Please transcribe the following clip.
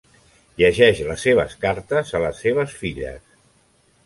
Llegeix les seves cartes a les seves filles.